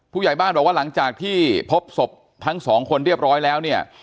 ผู้ใหญ่บ้านบอกว่าหลังจากที่พบศพทั้งสองคนเรียบร้อยแล้วเนี่ย